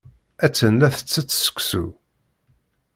Attan la tettett seksu.